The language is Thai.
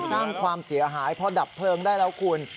สร้างความเสียหายพอดับเพลิงได้แล้วคุณ